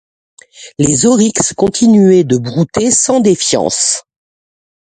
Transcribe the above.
Les oryx continuaient de brouter sans défiance.